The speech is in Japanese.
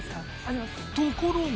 ところが